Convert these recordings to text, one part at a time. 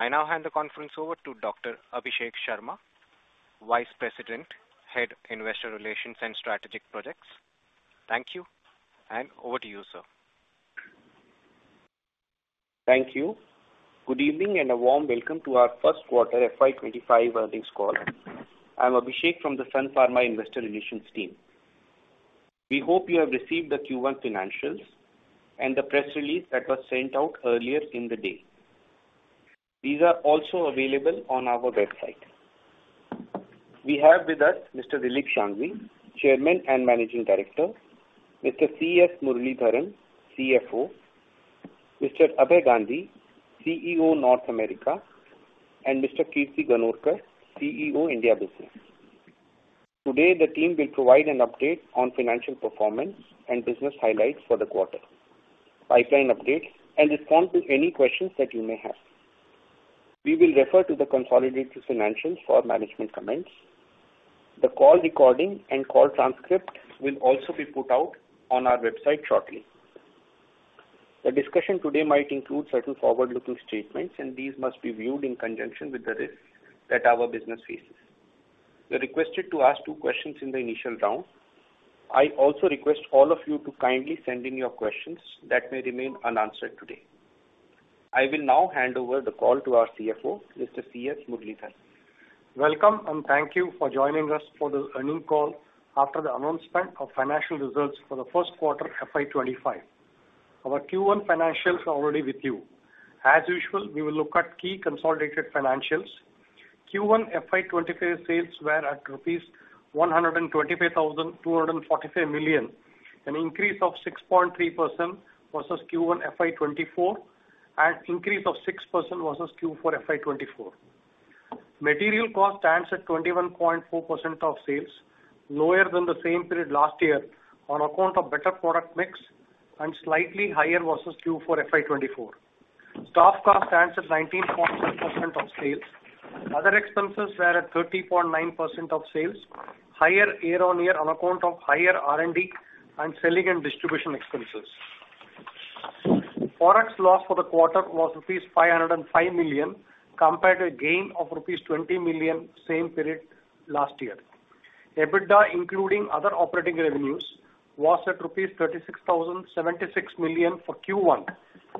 I'll hand the conference over to Dr. Abhishek Sharma, Vice President, Head Investor Relations and Strategic Projects. Thank you, and over to you, sir. Thank you. Good evening and a warm welcome to our first quarter FY 2025 earnings call. I'm Abhishek from the Sun Pharma Investor Relations team. We hope you have received the Q1 financials and the press release that was sent out earlier in the day. These are also available on our website. We have with us Mr. Dilip Shanghvi, Chairman and Managing Director, Mr. C. S. Muralidharan, CFO, Mr. Abhay Gandhi, CEO North America, and Mr. Kirti Ganorkar, CEO India Business. Today, the team will provide an update on financial performance and business highlights for the quarter, pipeline updates, and respond to any questions that you may have. We will refer to the consolidated financials for management comments. The call recording and call transcript will also be put out on our website shortly. The discussion today might include certain forward-looking statements, and these must be viewed in conjunction with the risks that our business faces. You're requested to ask two questions in the initial round. I also request all of you to kindly send in your questions that may remain unanswered today. I will now hand over the call to our CFO, Mr. C. S. Muralidharan. Welcome, and thank you for joining us for the earnings call after the announcement of financial results for the first quarter FY 2025. Our Q1 financials are already with you. As usual, we will look at key consolidated financials. Q1 FY 2025 sales were at rupees 125,245 million, an increase of 6.3% versus Q1 FY 2024, and an increase of 6% versus Q4 FY 2024. Material cost stands at 21.4% of sales, lower than the same period last year on account of better product mix and slightly higher versus Q4 FY 2024. Staff cost stands at 19.7% of sales. Other expenses were at 30.9% of sales, higher year-on-year on account of higher R&D and selling and distribution expenses. Forex loss for the quarter was rupees 505 million compared to a gain of rupees 20 million same period last year. EBITDA, including other operating revenues, was at rupees 36,076 million for Q1,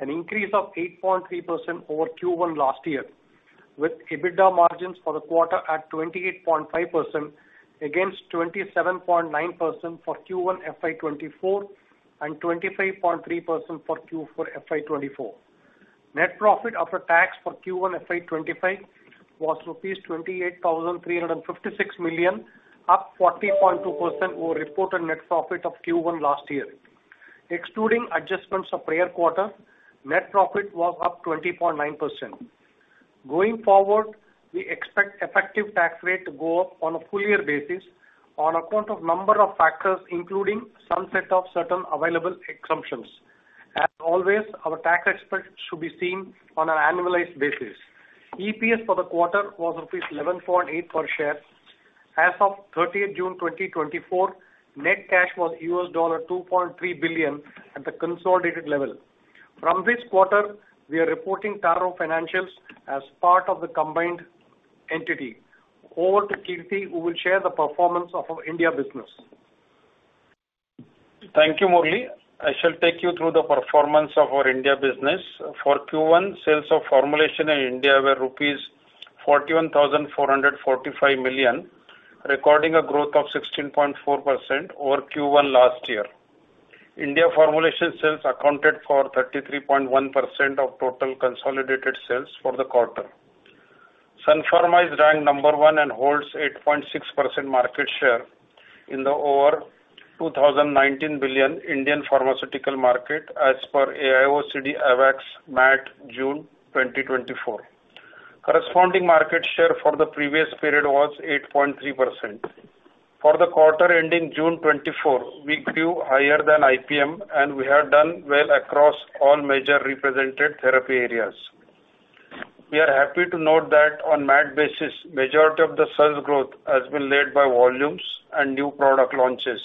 an increase of 8.3% over Q1 last year, with EBITDA margins for the quarter at 28.5% against 27.9% for Q1 FY 2024 and 25.3% for Q4 FY 2024. Net profit after tax for Q1 FY 2025 was rupees 28,356 million, up 40.2% over reported net profit of Q1 last year. Excluding adjustments of prior quarter, net profit was up 20.9%. Going forward, we expect effective tax rate to go up on a full-year basis on account of a number of factors, including some set of certain available exemptions. As always, our tax expense should be seen on an annualized basis. EPS for the quarter was rupees 11.8 per share. As of 30 June 2024, net cash was $2.3 billion at the consolidated level. From this quarter, we are reporting Taro financials as part of the combined entity. Over to Kirti, who will share the performance of our India business. Thank you, Murali. I shall take you through the performance of our India business. For Q1, sales of formulation in India were rupees 41,445 million, recording a growth of 16.4% over Q1 last year. India formulation sales accounted for 33.1% of total consolidated sales for the quarter. Sun Pharma is ranked number one and holds 8.6% market share in the over 2,019 billion Indian pharmaceutical market as per AIOCD AWACS MAT June 2024. Corresponding market share for the previous period was 8.3%. For the quarter ending June 2024, we grew higher than IPM, and we have done well across all major represented therapy areas. We are happy to note that on MAT basis, the majority of the sales growth has been led by volumes and new product launches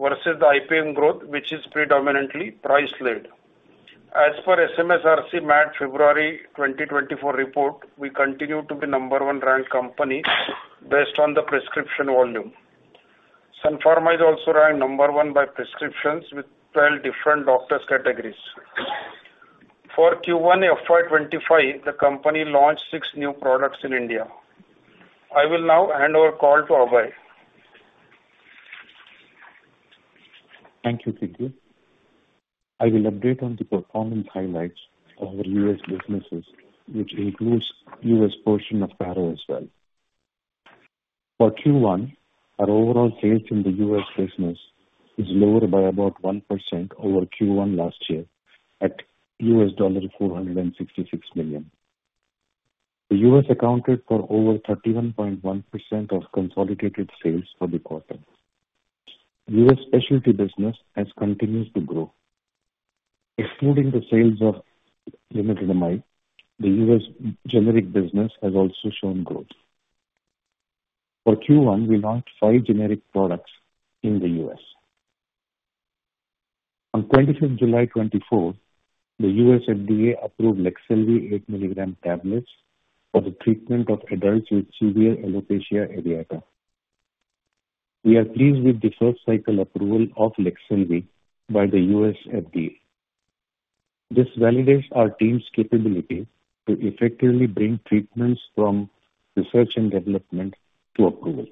versus the IPM growth, which is predominantly price-led. As per SMSRC MAT February 2024 report, we continue to be number one ranked company based on the prescription volume. Sun Pharma is also ranked number one by prescriptions with 12 different doctors' categories. For Q1 FY 2025, the company launched six new products in India. I will now hand over the call to Abhay. Thank you, Kirti. I will update on the performance highlights of our U.S. businesses, which includes the U.S. portion of Taro as well. For Q1, our overall sales in the U.S. business is lower by about 1% over Q1 last year at $466 million. The U.S. accounted for over 31.1% of consolidated sales for the quarter. U.S. specialty business has continued to grow. Excluding the sales of Ilumya, the U.S. generic business has also shown growth. For Q1, we launched five generic products in the U.S. On 25 July 2024, the U.S. FDA approved Leqselvi 8 mg tablets for the treatment of adults with severe alopecia areata. We are pleased with the first cycle approval of Leqselvi by the U.S. FDA. This validates our team's capability to effectively bring treatments from research and development to approval.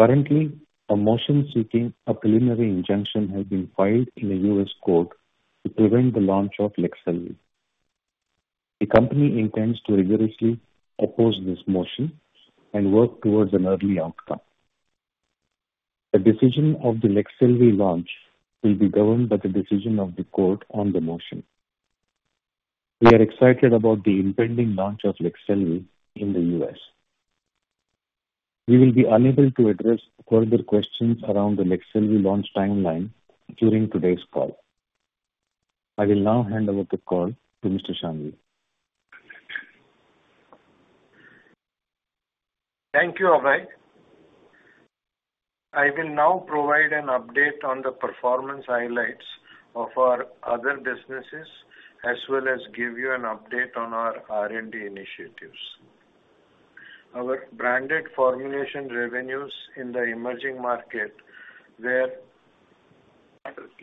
Currently, a motion seeking a preliminary injunction has been filed in the U.S. court to prevent the launch of Leqselvi. The company intends to rigorously oppose this motion and work towards an early outcome. The decision of the Leqselvi launch will be governed by the decision of the court on the motion. We are excited about the impending launch of Leqselvi in the U.S. We will be unable to address further questions around the Leqselvi launch timeline during today's call. I will now hand over the call to Mr. Shanghvi. Thank you, Abhay. I will now provide an update on the performance highlights of our other businesses, as well as give you an update on our R&D initiatives. Our branded formulation revenues in the emerging market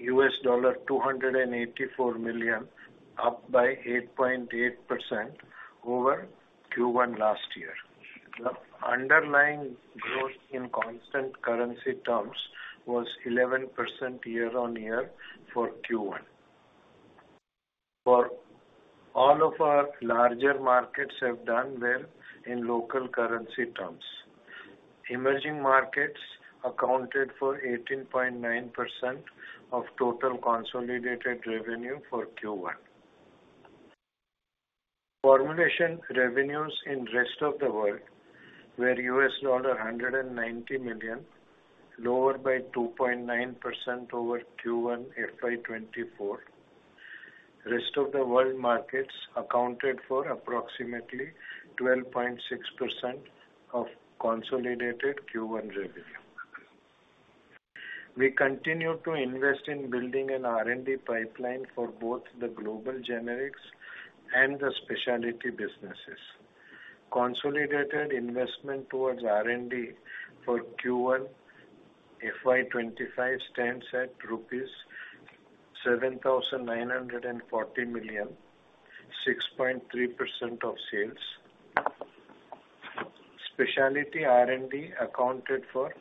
were $284 million, up by 8.8% over Q1 last year. The underlying growth in constant currency terms was 11% year-on-year for Q1. For all of our larger markets, we have done well in local currency terms. Emerging markets accounted for 18.9% of total consolidated revenue for Q1. Formulation revenues in the rest of the world were $190 million, lower by 2.9% over Q1 FY 2024. Rest of the world markets accounted for approximately 12.6% of consolidated Q1 revenue. We continue to invest in building an R&D pipeline for both the global generics and the specialty businesses. Consolidated investment towards R&D for Q1 FY 2025 stands at rupees 7,940 million, 6.3% of sales. Specialty R&D accounted for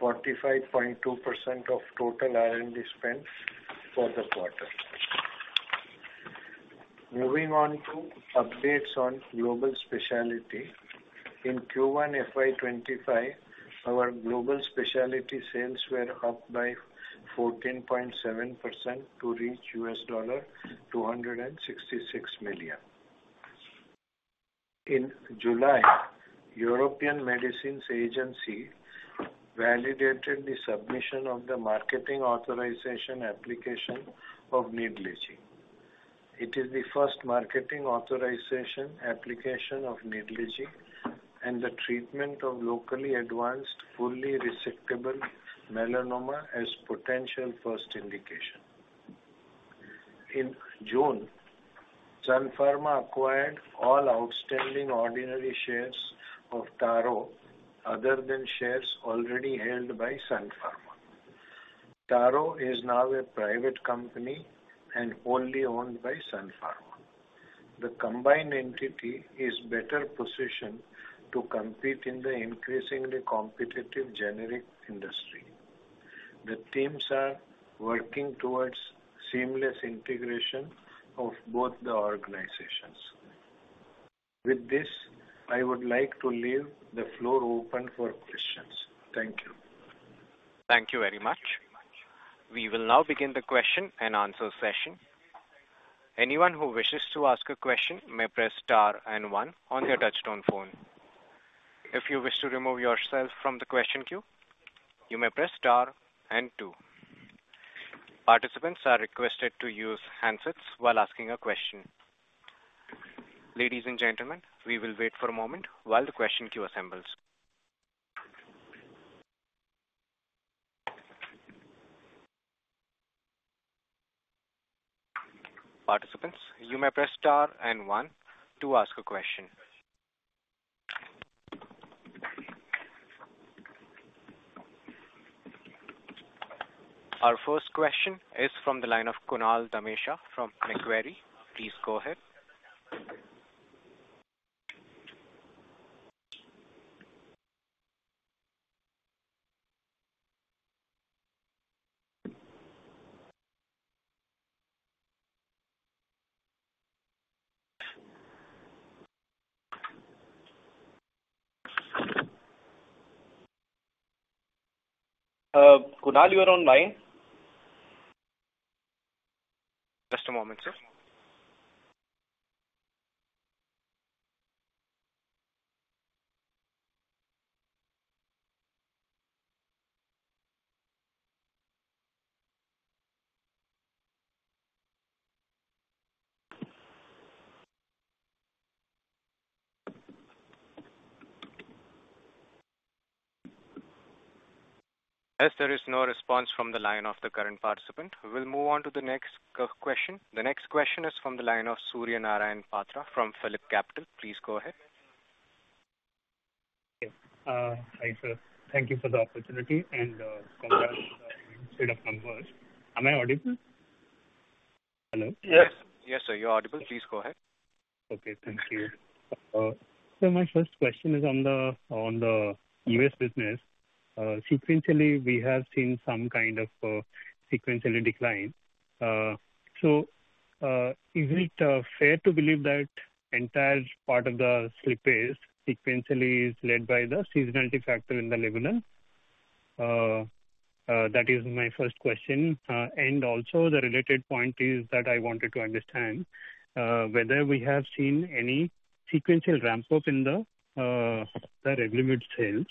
45.2% of total R&D spent for the quarter. Moving on to updates on global specialty. In Q1 FY 2025, our global specialty sales were up by 14.7% to reach $266 million. In July, the European Medicines Agency validated the submission of the marketing authorization application of Nidlegy. It is the first marketing authorization application of Nidlegy and the treatment of locally advanced fully resectable melanoma as potential first indication. In June, Sun Pharma acquired all outstanding ordinary shares of Taro other than shares already held by Sun Pharma. Taro is now a private company and wholly owned by Sun Pharma. The combined entity is better positioned to compete in the increasingly competitive generic industry. The teams are working towards seamless integration of both the organizations. With this, I would like to leave the floor open for questions. Thank you. Thank you very much. We will now begin the question and answer session. Anyone who wishes to ask a question may press star and one on their touch-tone phone. If you wish to remove yourself from the question queue, you may press star and two. Participants are requested to use handsets while asking a question. Ladies and gentlemen, we will wait for a moment while the question queue assembles. Participants, you may press star and one to ask a question. Our first question is from the line of Kunal Damesha from Macquarie. Please go ahead. Kunal, you are online? Just a moment, sir. Yes, there is no response from the line of the current participant. We'll move on to the next question. The next question is from the line of Suryanarayan Patra from PhillipCapital. Please go ahead. Hi, sir. Thank you for the opportunity and congrats on the state of numbers. Am I audible? Hello? Yes, sir. You're audible. Please go ahead. Okay. Thank you. My first question is on the U.S. business. Sequentially, we have seen some kind of sequential decline. Is it fair to believe that the entire part of the slippage sequentially is led by the seasonality factor in Ilumya? That is my first question. And also, the related point is that I wanted to understand whether we have seen any sequential ramp-up in the regulated sales,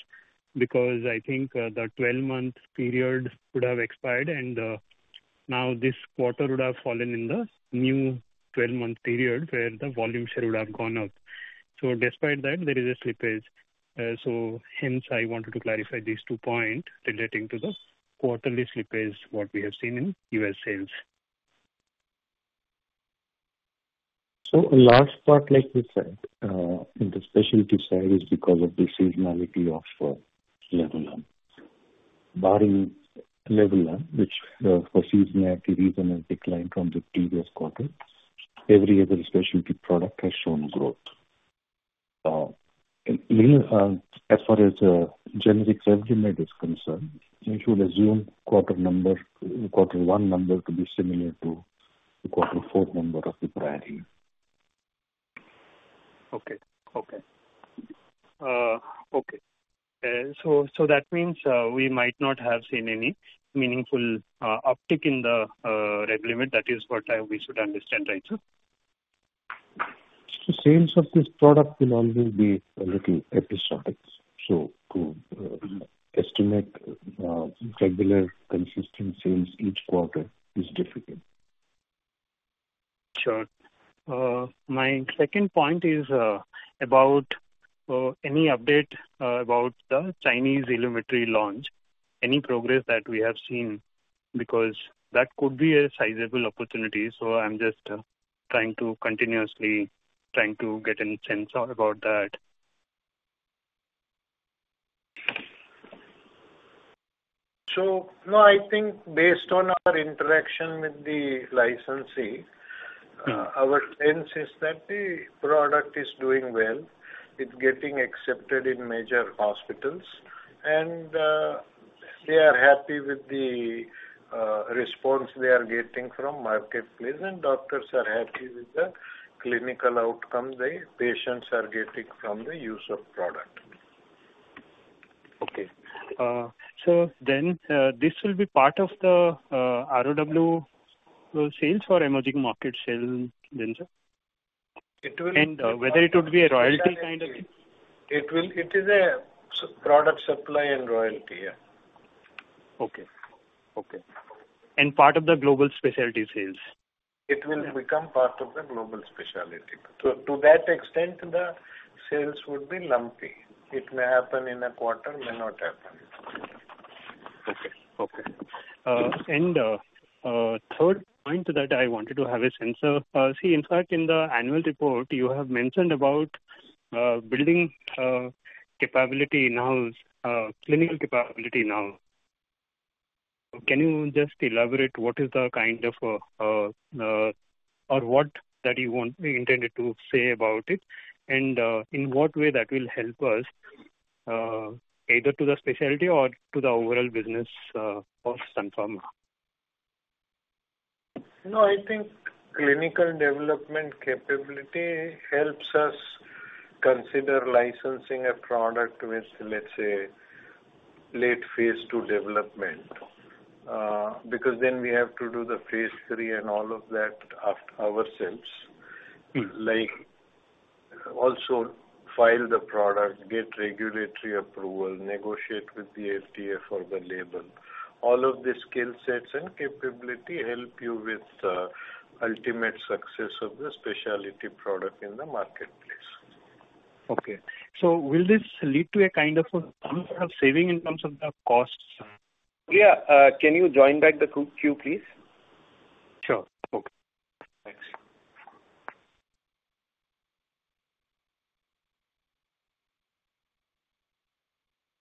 because I think the 12-month period would have expired, and now this quarter would have fallen in the new 12-month period where the volume share would have gone up. So despite that, there is a slippage. Hence, I wanted to clarify these two points relating to the quarterly slippage, what we have seen in U.S. sales? So a large part, like you said, in the specialty sales is because of the seasonality of Leqselvi. Barring Leqselvi, which for seasonality reason has declined from the previous quarter, every other specialty product has shown growth. As far as generic revenue is concerned, we should assume quarter one number to be similar to quarter four number of the prior year. Okay. Okay. Okay. So that means we might not have seen any meaningful uptick in the regulated. That is what we should understand, right? Sales of this product will only be a little episodic. To estimate regular consistent sales each quarter is difficult. Sure. My second point is about any update about the Chinese Ilumya launch, any progress that we have seen, because that could be a sizable opportunity. So I'm just trying to continuously get a sense about that. So no, I think based on our interaction with the licensee, our sense is that the product is doing well. It's getting accepted in major hospitals, and they are happy with the response they are getting from the marketplace, and doctors are happy with the clinical outcome the patients are getting from the use of product. Okay. So then this will be part of the ROW sales or emerging market sales, then, sir? It will. Whether it would be a royalty kind of thing? It is a product supply and royalty, yeah. Okay. Okay. And part of the global specialty sales? It will become part of the global specialty. So to that extent, the sales would be lumpy. It may happen in a quarter, may not happen. Okay. Okay. And third point that I wanted to have a sense of, see, in fact, in the annual report, you have mentioned about building capability now, clinical capability now. Can you just elaborate what is the kind of or what that you want intended to say about it, and in what way that will help us either to the specialty or to the overall business of Sun Pharma? No, I think clinical development capability helps us consider licensing a product with, let's say, late phase 2 development, because then we have to do the phase 3 and all of that ourselves, like also file the product, get regulatory approval, negotiate with the FDA for the label. All of the skill sets and capability help you with the ultimate success of the specialty product in the marketplace. Okay. So will this lead to a kind of saving in terms of the cost? Yeah. Can you join back the queue, please? Sure. Okay. Thanks.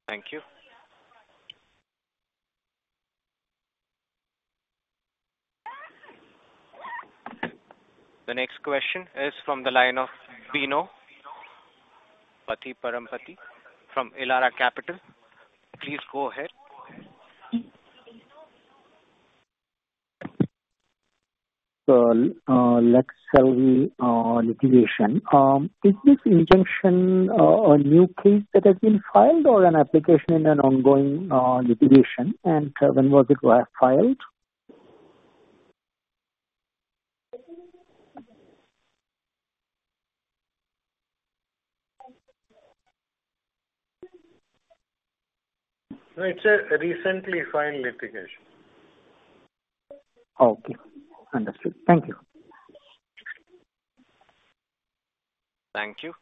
Thank you. The next question is from the line of Bino Pathiparampil from Elara Capital. Please go ahead. Leqselvi litigation, is this injunction a new case that has been filed or an application in an ongoing litigation, and when was it filed? It's a recently filed litigation. Okay. Understood. Thank you. Thank you.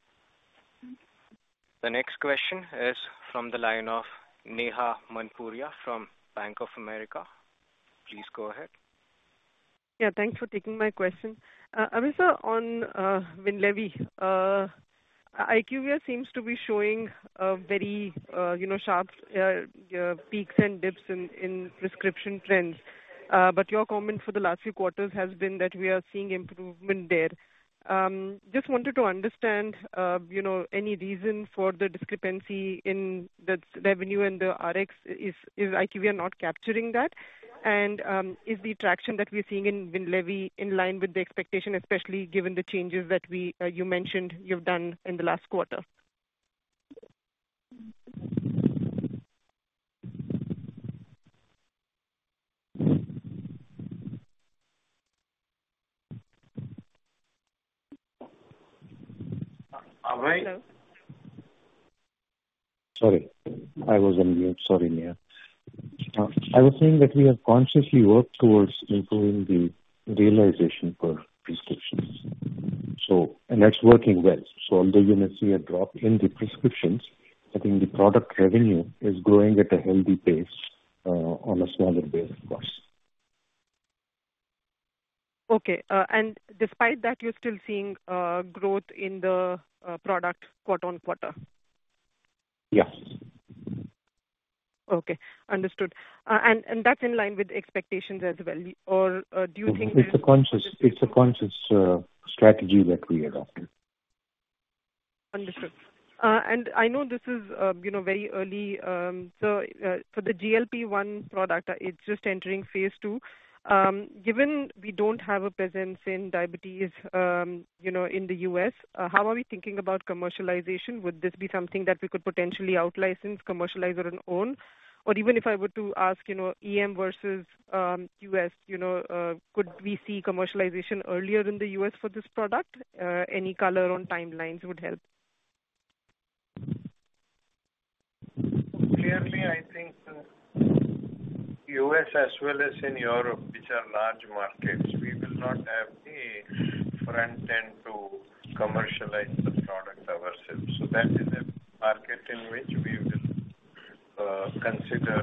The next question is from the line of Neha Manpuria from Bank of America. Please go ahead. Yeah. Thanks for taking my question. Abhishek on Winlevi, IQVIA seems to be showing very sharp peaks and dips in prescription trends. But your comment for the last few quarters has been that we are seeing improvement there. Just wanted to understand any reason for the discrepancy in the revenue and the RX. Is IQVIA not capturing that? And is the traction that we're seeing in Winlevi in line with the expectation, especially given the changes that you mentioned you've done in the last quarter? Abhay? Hello? Sorry. I was on mute. Sorry, Neha. I was saying that we have consciously worked towards improving the realization for prescriptions. And that's working well. So although you may see a drop in the prescriptions, I think the product revenue is growing at a healthy pace on a smaller basis, of course. Okay. Despite that, you're still seeing growth in the product quarter-over-quarter? Yes. Okay. Understood. And that's in line with expectations as well. Or do you think this? It's a conscious strategy that we adopted. Understood. I know this is very early. For the GLP-1 product, it's just entering phase 2. Given we don't have a presence in diabetes in the U.S., how are we thinking about commercialization? Would this be something that we could potentially out-license, commercialize, or own? Or even if I were to ask EM versus U.S., could we see commercialization earlier in the U.S. for this product? Any color on timelines would help. Clearly, I think U.S. as well as in Europe, which are large markets, we will not have the front end to commercialize the product ourselves. So that is a market in which we will consider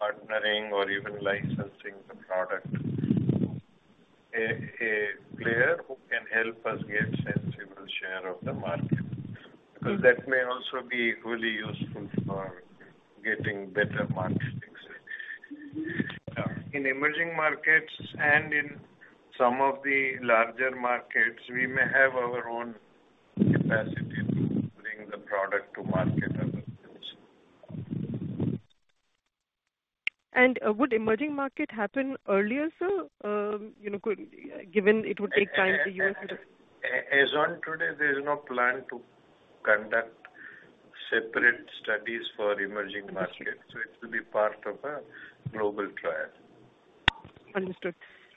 partnering or even licensing the product. A player who can help us get a sensible share of the market, because that may also be equally useful for getting better marketing. In emerging markets and in some of the larger markets, we may have our own capacity to bring the product to market ourselves. Would emerging market happen earlier, sir? Given it would take time to use. As on today, there is no plan to conduct separate studies for emerging markets. So it will be part of a global trial. Understood.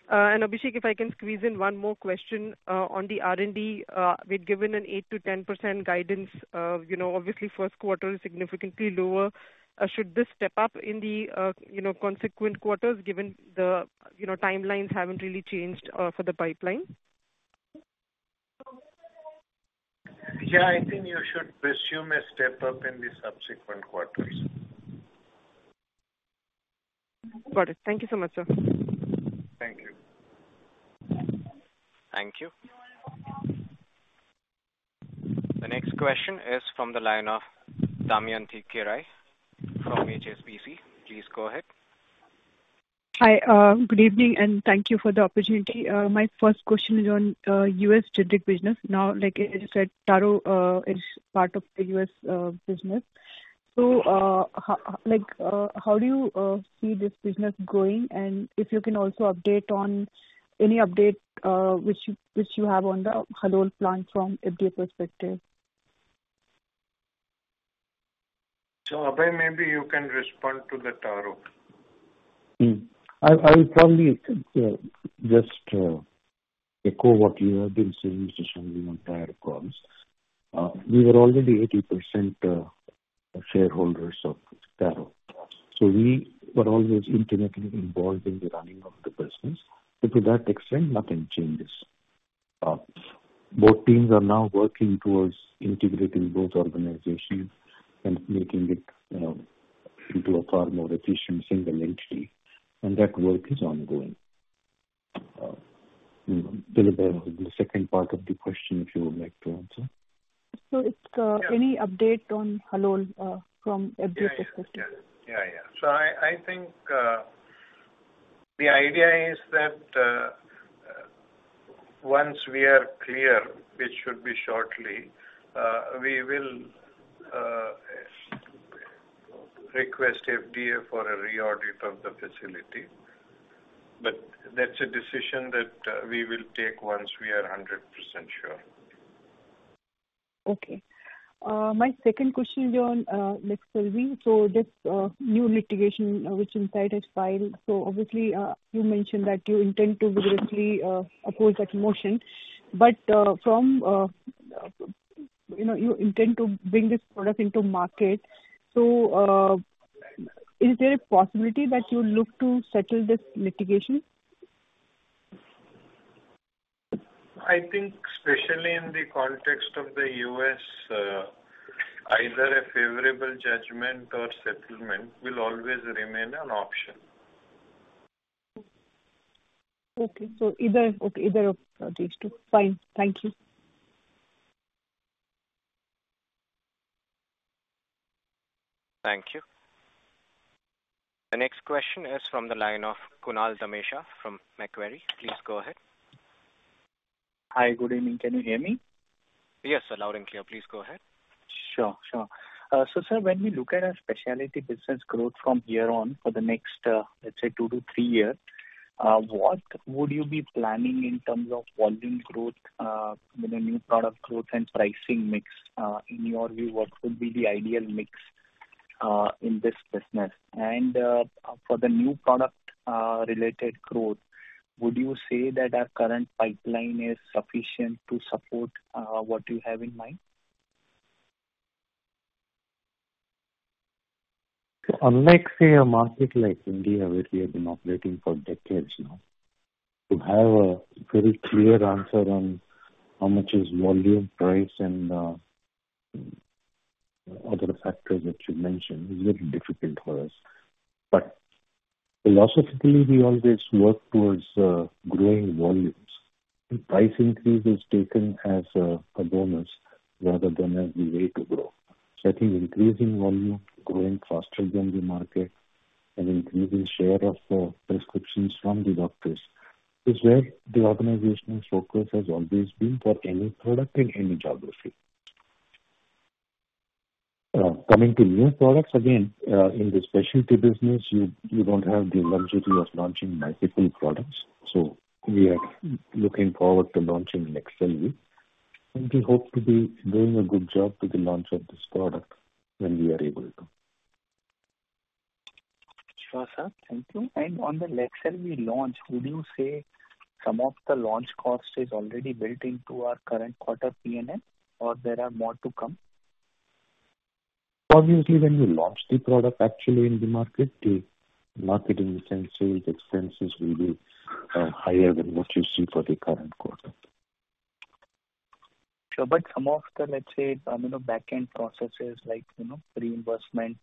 And Abhishek, if I can squeeze in one more question on the R&D, we've given an 8%-10% guidance. Obviously, first quarter is significantly lower. Should this step up in the consequent quarters, given the timelines haven't really changed for the pipeline? Yeah. I think you should presume a step up in the subsequent quarters. Got it. Thank you so much, sir. Thank you. Thank you. The next question is from the line of Damayanti Kerai from HSBC. Please go ahead. Hi. Good evening, and thank you for the opportunity. My first question is on U.S. generic business. Now, like you said, Taro is part of the U.S. business. So how do you see this business growing? And if you can also update on any update which you have on the Halol plant from FDA perspective? Abhay, maybe you can respond to the Taro. I'll probably just echo what you have been saying to some of the entire calls. We were already 80% shareholders of Taro. So we were always intimately involved in the running of the business. And to that extent, nothing changes. Both teams are now working towards integrating both organizations and making it into a far more efficient single entity. And that work is ongoing. The second part of the question, if you would like to answer. Any update on Halol from FDA perspective? Yeah. Yeah. Yeah. So I think the idea is that once we are clear, which should be shortly, we will request FDA for a re-audit of the facility. But that's a decision that we will take once we are 100% sure. Okay. My second question is on Leqselvi for this new litigation which Incyte has filed. So obviously, you mentioned that you intend to directly oppose that motion. But you intend to bring this product into market. So is there a possibility that you look to settle this litigation? I think, especially in the context of the U.S., either a favorable judgment or settlement will always remain an option. Okay. Either of these two. Fine. Thank you. Thank you. The next question is from the line of Kunal Damesha from Macquarie. Please go ahead. Hi. Good evening. Can you hear me? Yes. Loud and clear. Please go ahead. Sure. Sure. So sir, when we look at our specialty business growth from here on for the next, let's say, 2-3 years, what would you be planning in terms of volume growth, the new product growth, and pricing mix? In your view, what would be the ideal mix in this business? And for the new product-related growth, would you say that our current pipeline is sufficient to support what you have in mind? Unlike say a market like India, which we have been operating for decades now, to have a very clear answer on how much is volume, price, and other factors that you mentioned is very difficult for us. But philosophically, we always work towards growing volumes. And price increase is taken as a bonus rather than as the way to grow. So I think increasing volume, growing faster than the market, and increasing share of the prescriptions from the doctors is where the organization's focus has always been for any product in any geography. Coming to new products, again, in the specialty business, you don't have the luxury of launching multiple products. So we are looking forward to launching Leqselvi. And we hope to be doing a good job with the launch of this product when we are able to. Sure, sir. Thank you. And on the Leqselvi launch, would you say some of the launch cost is already built into our current quarter P&L, or there are more to come? Obviously, when you launch the product actually in the market, the market in the sense sales, expenses will be higher than what you see for the current quarter. Sure. But some of the, let's say, backend processes like reimbursement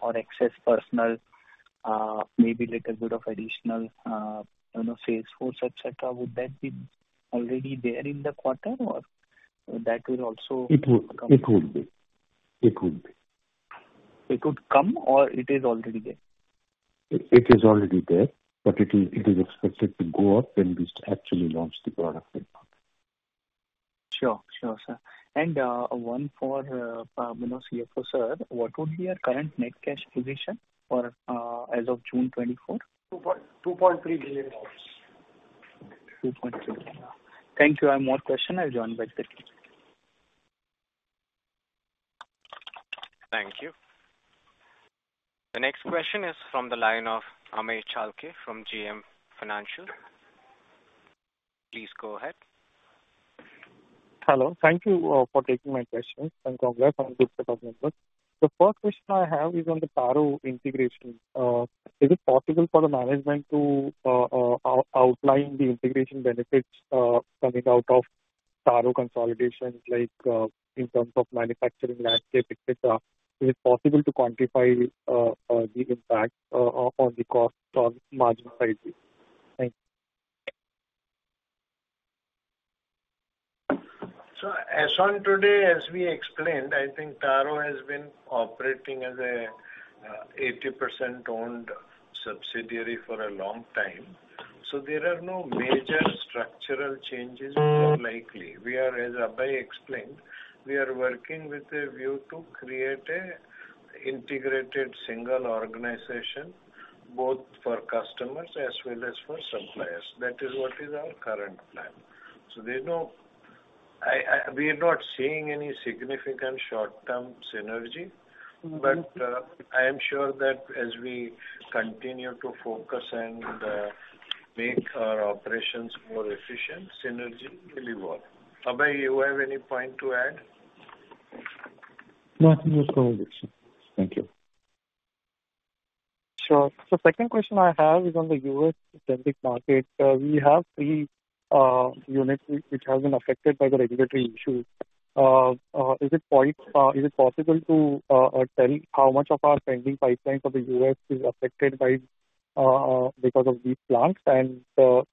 or excess personnel, maybe a little bit of additional sales force, etc., would that be already there in the quarter, or that will also come? It would be. It would be. It would come, or it is already there? It is already there, but it is expected to go up when we actually launch the product in March. Sure. Sure, sir. One for CFO, sir, what would be your current net cash position as of June 24? $2.3 billion. $2.3 billion. Thank you. One more question. I'll join back the team. Thank you. The next question is from the line of Amey Chalke from JM Financial. Please go ahead. Hello. Thank you for taking my question. Congrats on a good set of numbers. The first question I have is on the Taro integration. Is it possible for the management to outline the integration benefits coming out of Taro consolidation, like in terms of manufacturing landscape, etc.? Is it possible to quantify the impact on the cost on margin sizing? Thank you. So as on today, as we explained, I think Taro has been operating as an 80% owned subsidiary for a long time. So there are no major structural changes likely. As Abhay explained, we are working with a view to create an integrated single organization, both for customers as well as for suppliers. That is what is our current plan. So we are not seeing any significant short-term synergy. But I am sure that as we continue to focus and make our operations more efficient, synergy will evolve. Abhay, do you have any point to add? Nothing to comment, sir. Thank you. Sure. So second question I have is on the U.S.-specific market. We have three units which have been affected by the regulatory issues. Is it possible to tell how much of our pending pipeline for the U.S. is affected because of these plants? And are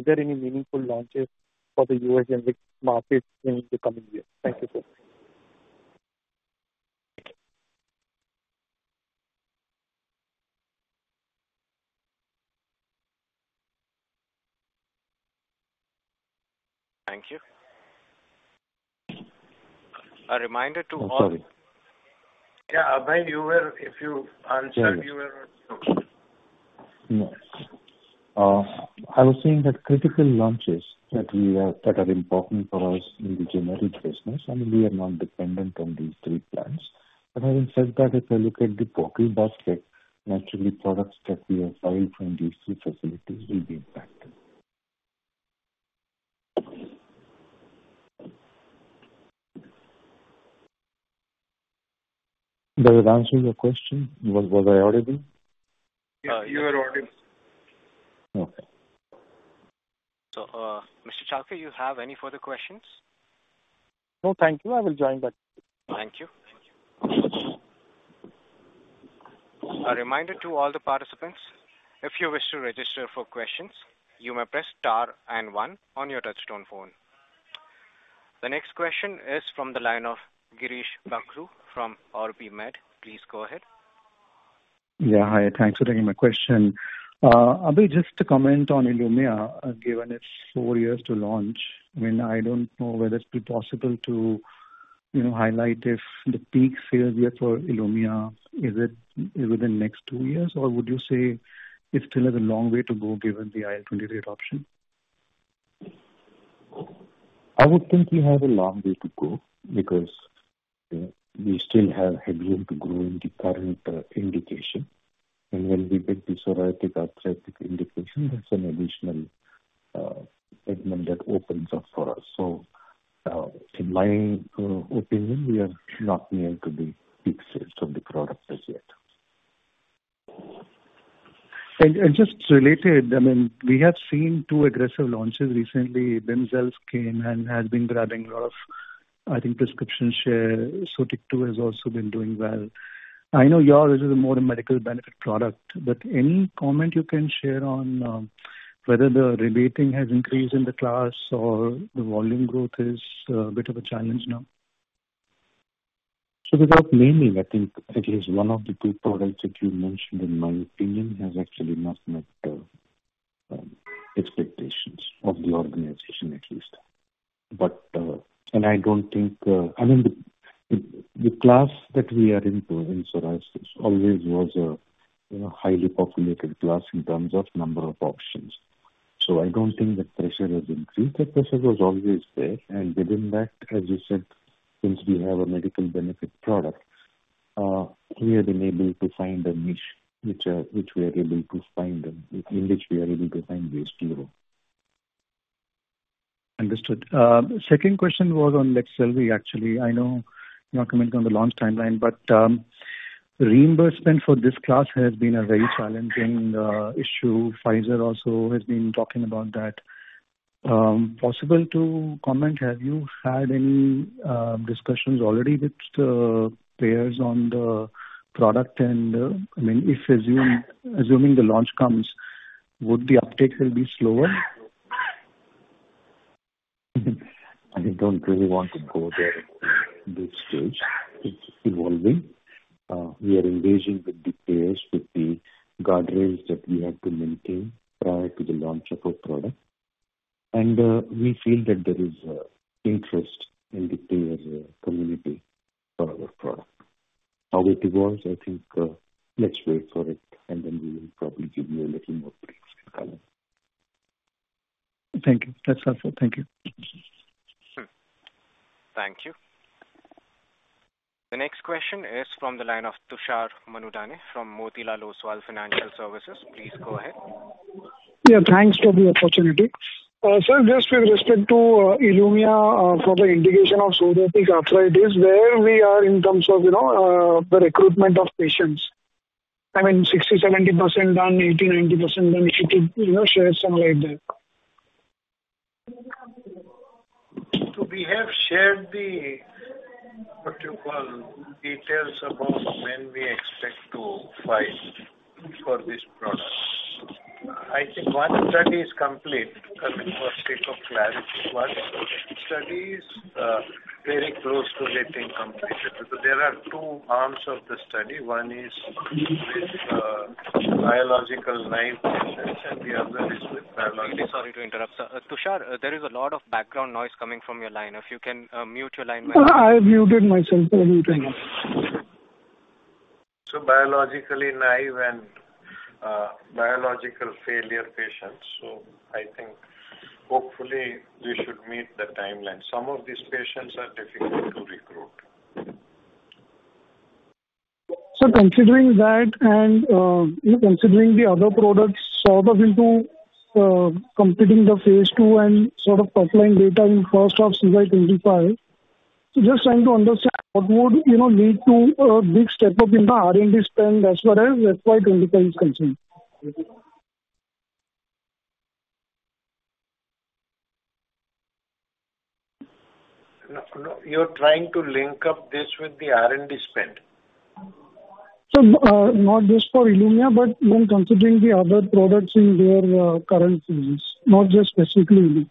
there any meaningful launches for the U.S. generic market in the coming years? Thank you so much. Thank you. A reminder to all. Sorry. Yeah. Abhay, if you answer, you were. No. I was saying that critical launches that are important for us in the generic business, I mean, we are not dependent on these three plants. But having said that, if I look at the total basket, naturally, products that we have filed from these two facilities will be impacted. Did I answer your question? Was I audible? You were audible. Okay. Mr. Shalke, do you have any further questions? No, thank you. I will join back. Thank you. A reminder to all the participants, if you wish to register for questions, you may press star and one on your touch-tone phone. The next question is from the line of Girish Bakhru from OrbiMed. Please go ahead. Yeah. Hi. Thanks for taking my question. Abhay, just to comment on Ilumya, given it's four years to launch, I mean, I don't know whether it's possible to highlight if the peak sales year for Ilumya is within the next two years, or would you say it still has a long way to go given the IL-23 adoption? I would think we have a long way to go because we still have headroom to grow in the current indication. When we get this psoriatic arthritis indication, that's an additional element that opens up for us. In my opinion, we are not near to the peak sales of the product as yet. Just related, I mean, we have seen two aggressive launches recently. Bimzelx came and has been grabbing a lot of, I think, prescription share. So Sotyktu has also been doing well. I know yours is a more medical benefit product, but any comment you can share on whether the rebating has increased in the class or the volume growth is a bit of a challenge now? Without naming, I think at least one of the two products that you mentioned, in my opinion, has actually not met expectations of the organization, at least. I don't think, I mean, the class that we are into in psoriasis always was a highly populated class in terms of number of options. I don't think that pressure has increased. That pressure was always there. Within that, as you said, since we have a medical benefit product, we have been able to find a niche in which we are able to find ways to grow. Understood. Second question was on Leqselvi, actually. I know your comment on the launch timeline, but reimbursement for this class has been a very challenging issue. Pfizer also has been talking about that. Possible to comment, have you had any discussions already with the players on the product? And I mean, assuming the launch comes, would the uptake be slower? I don't really want to go there at this stage. It's evolving. We are engaging with the players with the guardrails that we have to maintain prior to the launch of a product. We feel that there is interest in the players' community for our product. How it evolves, I think let's wait for it, and then we will probably give you a little more briefs in color. Thank you. That's helpful. Thank you. Thank you. The next question is from the line of Tushar Manudhane from Motilal Oswal Financial Services. Please go ahead. Yeah. Thanks for the opportunity. So just with respect to Ilumya for the indication of psoriatic arthritis, where we are in terms of the recruitment of patients? I mean, 60%-70% done, 80%-90% done, something like that? We have shared the, what you call, details about when we expect to file for this product. I think one study is complete. I mean, for sake of clarity, one study is very close to getting completed. There are two arms of the study. One is with biologic-naive patients, and the other is with biological. Sorry to interrupt. Tushar, there is a lot of background noise coming from your line. If you can mute your line when you're. I muted myself. I muted myself. So biologic-naive and biologic-failure patients. So I think, hopefully, we should meet the timeline. Some of these patients are difficult to recruit. Considering that and considering the other products sort of into completing the phase 2 and sort of top line data in first half of 2025, just trying to understand what would lead to a big step up in the R&D spend as far as FY 2025 is concerned. You're trying to link up this with the R&D spend? Not just for Illumya, but considering the other products in their current phase, not just specifically Illumya.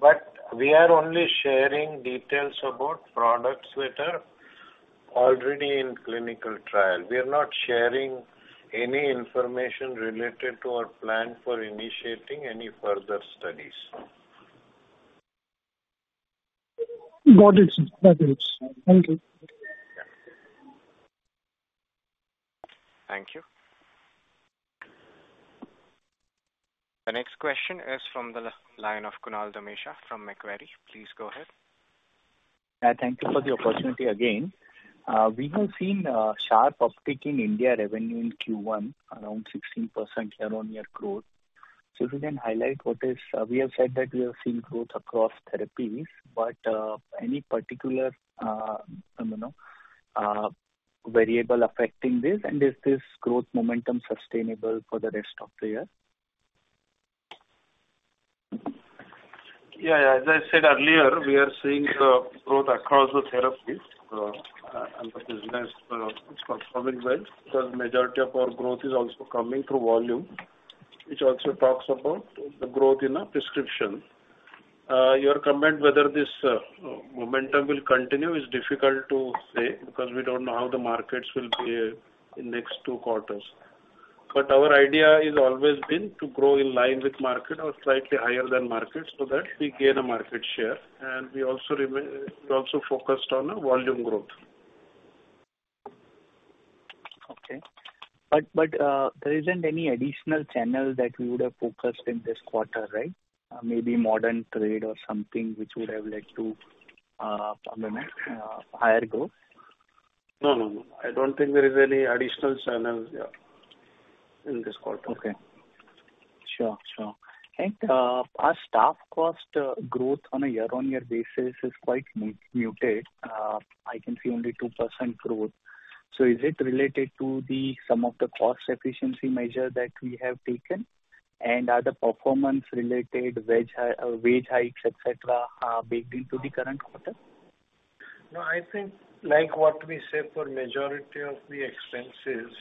But we are only sharing details about products that are already in clinical trial. We are not sharing any information related to our plan for initiating any further studies. Got it. That helps. Thank you. Thank you. The next question is from the line of Kunal Damesha from Macquarie. Please go ahead. Thank you for the opportunity again. We have seen a sharp uptick in India revenue in Q1, around 16% year-on-year growth. So if you can highlight what is we have said that we have seen growth across therapies, but any particular variable affecting this? And is this growth momentum sustainable for the rest of the year? Yeah. As I said earlier, we are seeing growth across the therapies. The business is performing well because the majority of our growth is also coming through volume, which also talks about the growth in prescription. Your comment, whether this momentum will continue, is difficult to say because we don't know how the markets will behave in the next two quarters. Our idea has always been to grow in line with market or slightly higher than market so that we gain a market share. We also focused on volume growth. Okay. But there isn't any additional channel that we would have focused in this quarter, right? Maybe modern trade or something which would have led to higher growth? No, no, no. I don't think there is any additional channel in this quarter. Okay. Sure, sure. And our staff cost growth on a year-on-year basis is quite muted. I can see only 2% growth. So is it related to some of the cost efficiency measures that we have taken? And are the performance-related wage hikes, etc., baked into the current quarter? No, I think like what we said for majority of the expenses,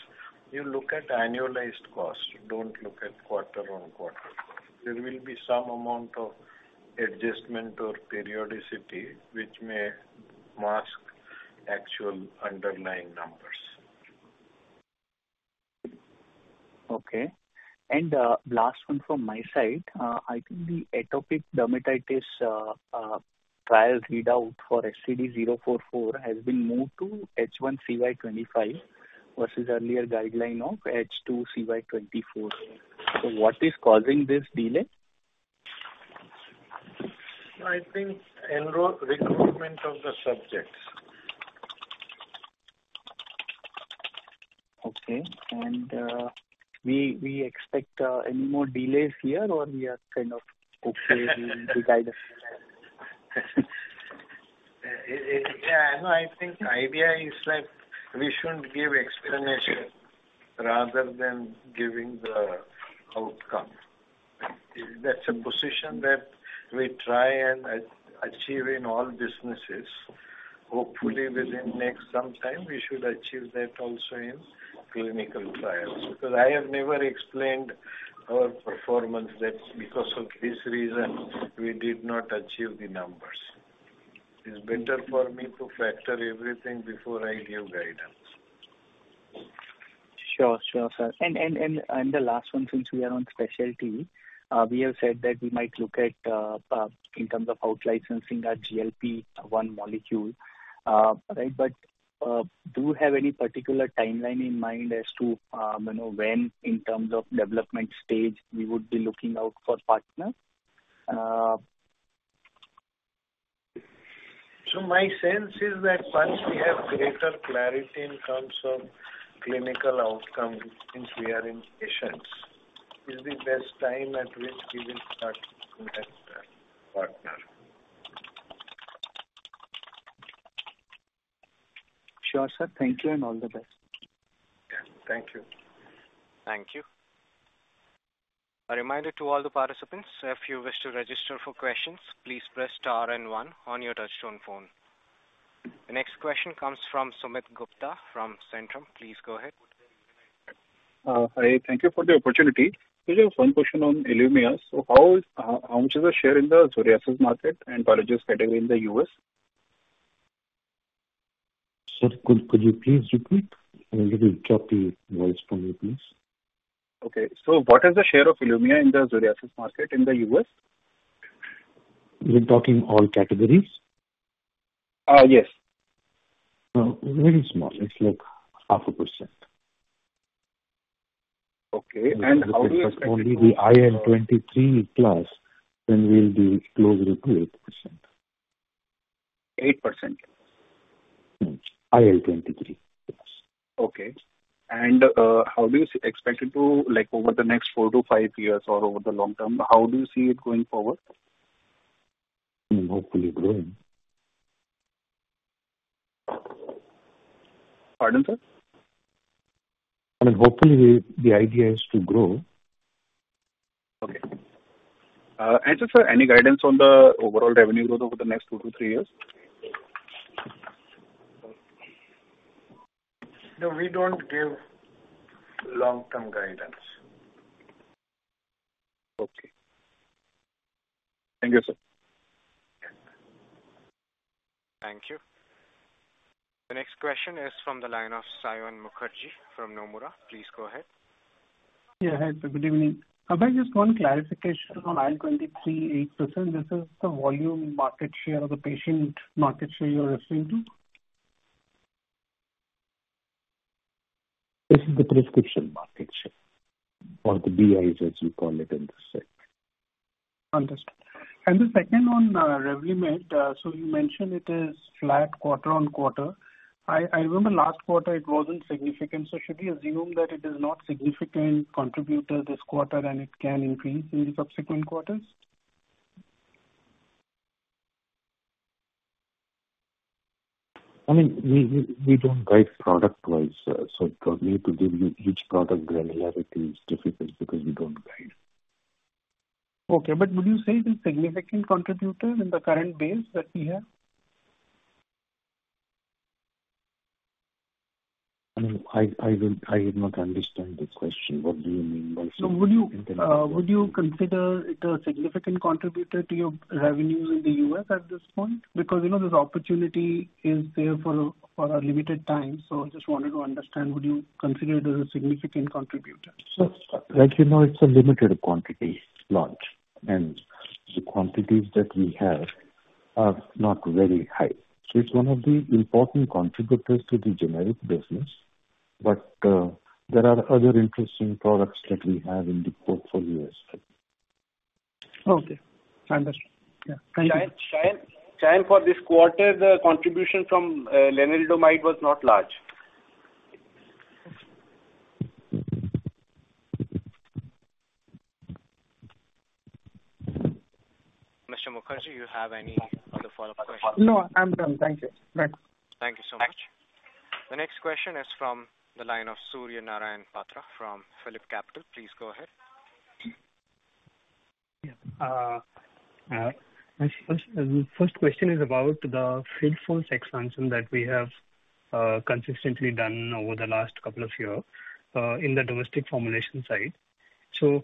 you look at annualized costs. Don't look at quarter-on-quarter. There will be some amount of adjustment or periodicity which may mask actual underlying numbers. Okay. And last one from my side, I think the atopic dermatitis trial readout for SCD-044 has been moved to H1CY25 versus earlier guideline of H2CY24. So what is causing this delay? I think recruitment of the subjects. Okay. We expect any more delays here, or we are kind of okay with the guidance? Yeah. I think the idea is that we shouldn't give explanation rather than giving the outcome. That's a position that we try and achieve in all businesses. Hopefully, within the next sometime, we should achieve that also in clinical trials. Because I have never explained our performance that because of this reason, we did not achieve the numbers. It's better for me to factor everything before I give guidance. Sure, sure. The last one, since we are on specialty, we have said that we might look at in terms of outlicensing that GLP-1 molecule, right? But do you have any particular timeline in mind as to when in terms of development stage we would be looking out for partners? My sense is that once we have greater clarity in terms of clinical outcomes, since we are in patients, is the best time at which we will start to have partners. Sure, sir. Thank you, and all the best. Thank you. Thank you. A reminder to all the participants, if you wish to register for questions, please press star and one on your touch-tone phone. The next question comes from Sumit Gupta from Centrum. Please go ahead. Hi. Thank you for the opportunity. Just one question on Illumya. How much is the share in the psoriasis market and collagen category in the U.S.? Sir, could you please repeat? I need to check the voice for me, please. Okay. So what is the share of Ilumya in the psoriasis market in the U.S.? You're talking all categories? Yes. Very small. It's like 0.5%. Okay. And how do you? It's only the IL-23 class, then we'll be closer to 8%. 8%. IL-23. Okay. How do you expect it to over the next 4-5 years or over the long term? How do you see it going forward? I mean, hopefully growing. Pardon, sir? I mean, hopefully the idea is to grow. Okay. Just for any guidance on the overall revenue growth over the next two to three years? No, we don't give long-term guidance. Okay. Thank you, sir. Thank you. The next question is from the line of Saion Mukherjee from Nomura. Please go ahead. Yeah. Hi. Good evening. I just want clarification on IL-23, 8%. This is the volume market share or the patient market share you're referring to? This is the prescription market share or the TRx, as we call it in this segment. Understood. And the second on Revlimid, so you mentioned it is flat quarter-over-quarter. I remember last quarter, it wasn't significant. So should we assume that it is not a significant contributor this quarter and it can increase in the subsequent quarters? I mean, we don't guide product-wise. So for me to give you each product granularity is difficult because we don't guide. Okay. But would you say it is a significant contributor in the current base that we have? I mean, I did not understand the question. What do you mean by significant contributor? So would you consider it a significant contributor to your revenues in the U.S. at this point? Because this opportunity is there for a limited time. So I just wanted to understand, would you consider it as a significant contributor? Like you know, it's a limited quantity launch. The quantities that we have are not very high. It's one of the important contributors to the generic business. There are other interesting products that we have in the portfolio as well. Okay. Understood. Yeah. Thank you. Saion, for this quarter, the contribution from Lenalidomide was not large. Mr. Mukherjee, do you have any other follow-up questions? No, I'm done. Thank you. Thanks. Thank you so much. The next question is from the line of Suryanarayan Patra from Philip Capital. Please go ahead. Yeah. The first question is about the field force expansion that we have consistently done over the last couple of years in the domestic formulation side. So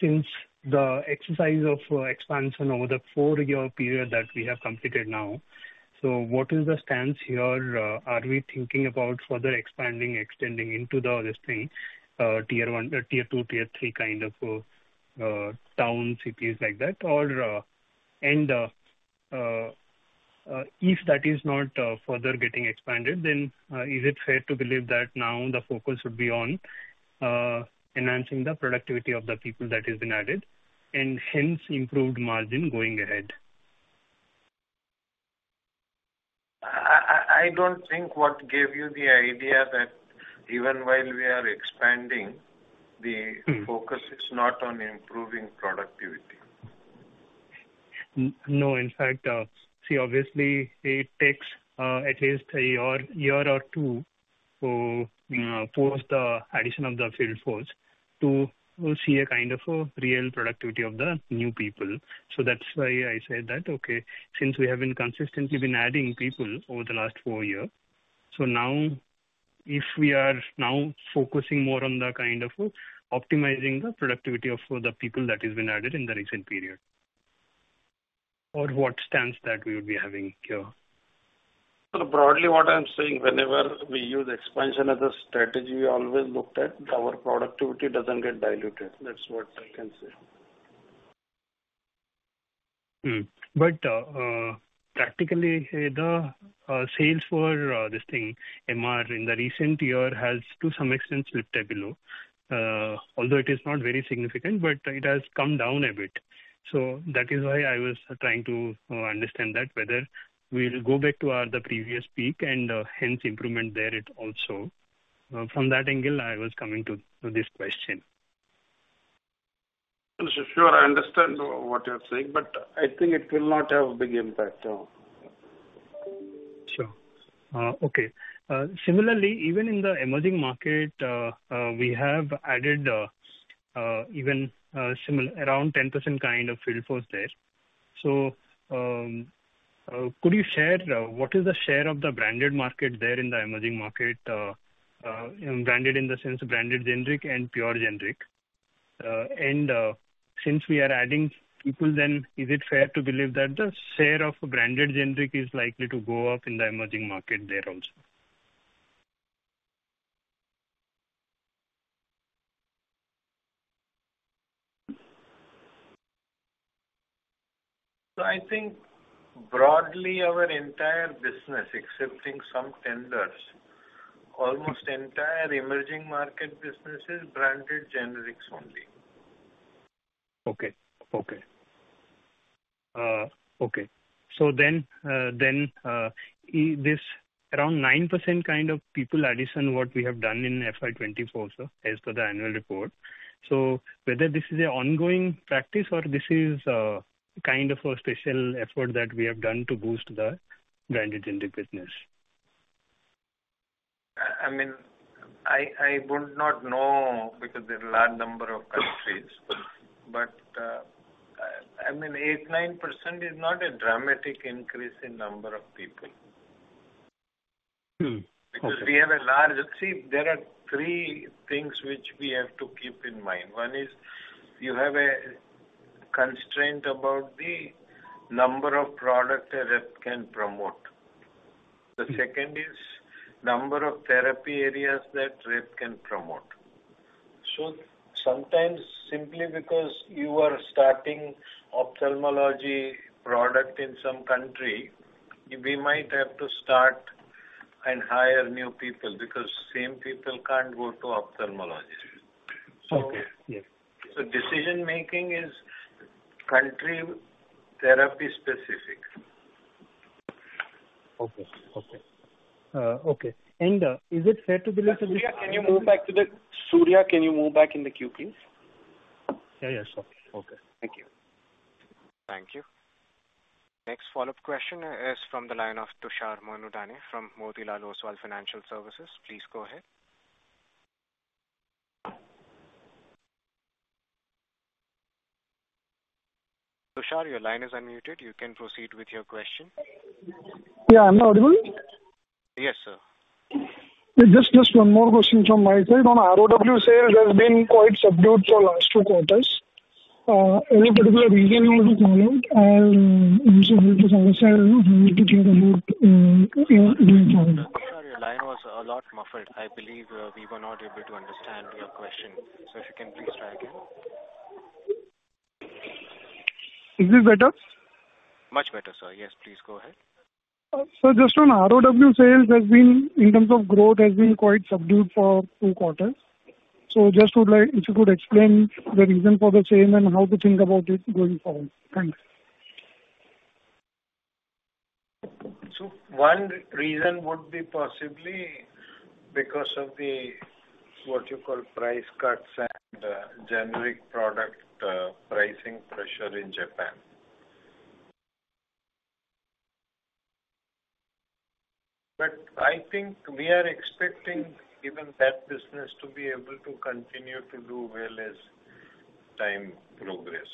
since the exercise of expansion over the four-year period that we have completed now, so what is the stance here? Are we thinking about further expanding, extending into the Tier 2, Tier 3 kind of towns, cities like that? And if that is not further getting expanded, then is it fair to believe that now the focus would be on enhancing the productivity of the people that have been added and hence improved margin going ahead? I don't think what gave you the idea that even while we are expanding, the focus is not on improving productivity. No. In fact, see, obviously, it takes at least a year or two for the addition of the field force to see a kind of real productivity of the new people. So that's why I said that, okay, since we have been consistently adding people over the last four years, so now if we are now focusing more on the kind of optimizing the productivity of the people that have been added in the recent period, what stance that we would be having here? So broadly, what I'm saying, whenever we use expansion as a strategy, we always look at our productivity doesn't get diluted. That's what I can say. But practically, the sales for this thing, MR, in the recent year has to some extent slipped a little. Although it is not very significant, but it has come down a bit. So that is why I was trying to understand that whether we will go back to the previous peak and hence improvement there also. From that angle, I was coming to this question. Sure. I understand what you're saying, but I think it will not have a big impact. Sure. Okay. Similarly, even in the emerging market, we have added even around 10% kind of field force there. So could you share what is the share of the branded market there in the emerging market, branded in the sense of branded generic and pure generic? And since we are adding people, then is it fair to believe that the share of branded generic is likely to go up in the emerging market there also? I think broadly, our entire business, excepting some tenders, almost the entire emerging market business is branded generics only. Okay. Okay. Okay. So then around 9% kind of people addition, what we have done in FY 2024 as per the annual report. So whether this is an ongoing practice or this is kind of a special effort that we have done to boost the branded generic business? I mean, I would not know because there are a large number of countries. But I mean, 8%-9% is not a dramatic increase in number of people. Because we have a large sea, there are three things which we have to keep in mind. One is you have a constraint about the number of products that can promote. The second is the number of therapy areas that can promote. So sometimes simply because you are starting ophthalmology product in some country, we might have to start and hire new people because the same people can't go to ophthalmology. So decision-making is country-therapy specific. Okay. Okay. Okay. Is it fair to believe that this? Surya, can you move back in the queue, please? Yeah, yeah. Sure. Okay. Thank you. Thank you. Next follow-up question is from the line of Tushar Manudhane from Motilal Oswal Financial Services. Please go ahead. Tushar, your line is unmuted. You can proceed with your question. Yeah. I'm audible? Yes, sir. Just one more question from my side. On ROW sales, there's been quite a subdued for the last two quarters. Any particular reason you want to comment? Just to understand, we need to think about doing follow-up. Sir, your line was a lot muffled. I believe we were not able to understand your question. So if you can please try again. Is this better? Much better, sir. Yes, please go ahead. Sir, just on ROW sales, in terms of growth, has been quite subdued for two quarters. So just would like if you could explain the reason for the change and how to think about it going forward? Thanks. One reason would be possibly because of the what you call price cuts and generic product pricing pressure in Japan. But I think we are expecting even that business to be able to continue to do well as time progresses.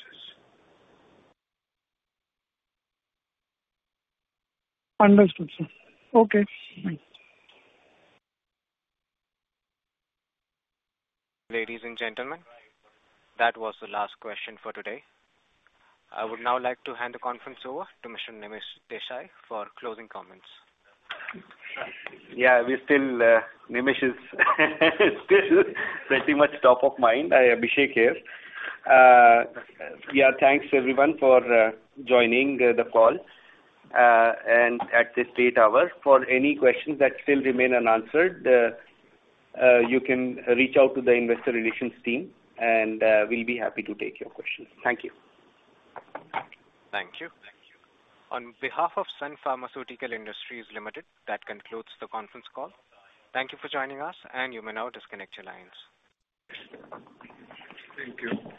Understood, sir. Okay. Thanks. Ladies and gentlemen, that was the last question for today. I would now like to hand the conference over to Mr. Nimish Desai for closing comments. Yeah. Nimish is still pretty much top of mind. I'm Abhishek here. Yeah. Thanks, everyone, for joining the call and at this late hour. For any questions that still remain unanswered, you can reach out to the investor relations team, and we'll be happy to take your questions. Thank you. Thank you. On behalf of Sun Pharmaceutical Industries Limited, that concludes the conference call. Thank you for joining us, and you may now disconnect your lines. Thank you.